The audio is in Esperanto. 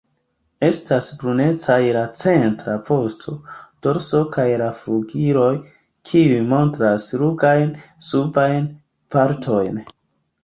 Estas brunecaj la centra vosto, dorso kaj la flugiloj, kiuj montras ruĝajn subajn partojn.